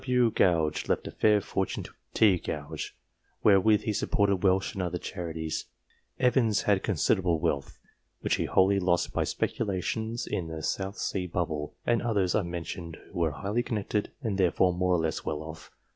W. Gouge left a fair fortune to his son T. Gouge, wherewith he supported Welsh and other charities. Evans had considerable wealth, which he wholly lost by speculations in the South Sea Bubble ; and others are mentioned who were highly con nected, and therefore more or less well off.